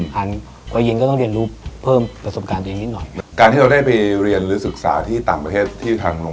๓ให้เราเรียนรู้ถึงฟูชั่นของหาดอีกตัวหนึ่ง